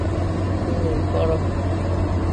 হুম, পড়ো।